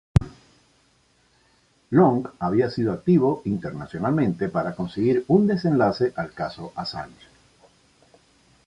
Long había sido activo internacionalmente para conseguir un desenlace al caso Assange.